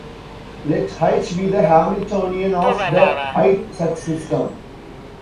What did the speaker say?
Let "H" be the Hamiltonian of the "i"th such system.